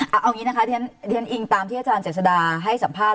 เอาอย่างนี้นะคะเรียนอิงตามที่อาจารย์เจษดาให้สัมภาษณ